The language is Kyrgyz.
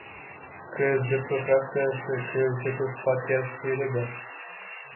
КСДП фракциясы — КСДП партиясы эле да.